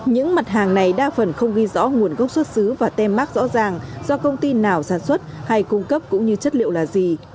những mặt hàng này đa phần không ghi rõ nguồn gốc xuất xứ và tem mát rõ ràng do công ty nào sản xuất hay cung cấp cũng như chất liệu là gì